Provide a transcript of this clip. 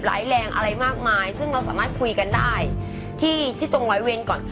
แรงอะไรมากมายซึ่งเราสามารถคุยกันได้ที่ที่ตรงร้อยเวนก่อน